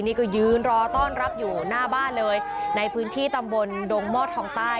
นี่ก็ยืนรอต้อนรับอยู่หน้าบ้านเลยในพื้นที่ตำบลดงมอดทองใต้